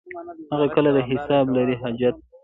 هغه کله د حساب لري حاجت.